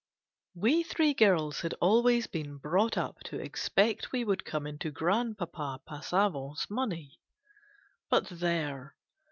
I. WE three girls had always been brought up to expect we would come into Grandpapa Passa vant's money. But there